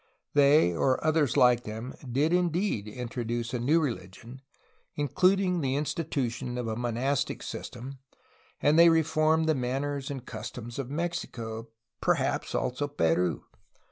They or others like them did indeed introduce a new religion, including the institution of a monastic system, and they reformed the manners and customs of Mexico — perhaps also Peru.